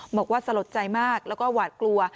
บอกว่าสะหรับใจมากและแลดกลัว